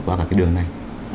qua cả cái đường này